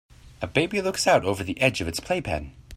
A baby looks out over the edge of its playpen.